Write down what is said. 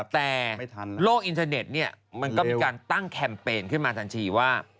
แต่โลกอินเทอร์เน็ตมันก็มีการตั้งแคมเปญขึ้นมาทันทีว่า